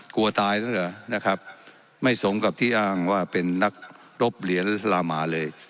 กลัวตายแล้วเหรอนะครับไม่สมกับที่อ้างว่าเป็นนักรบเหรียญรามาเลย